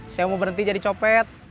saya mau berhenti jadi copet